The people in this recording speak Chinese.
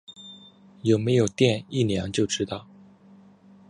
有没有电一量就知道